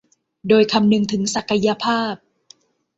โดยคำนึงถึงศักยภาพ